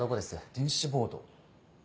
電子ボード？